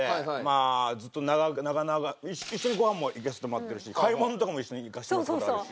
一緒にご飯も行かせてもらってるし買い物とかも一緒に行かせてもらった事あるし。